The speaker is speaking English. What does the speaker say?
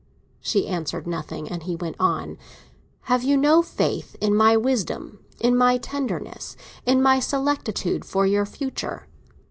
She answered nothing, and he went on. "Have you no faith in my wisdom, in my tenderness, in my solicitude for your future?"